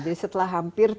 jadi setelah hampir tiga tahun